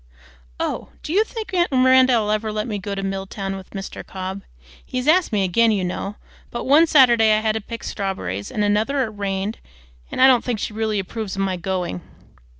Oh! do you think aunt Mirandy'll ever let me go to Milltown with Mr. Cobb? He's asked me again, you know; but one Saturday I had to pick strawberries, and another it rained, and I don't think she really approves of my going.